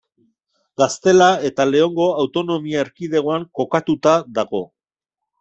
Gaztela eta Leongo Autonomia Erkidegoan kokatuta dago.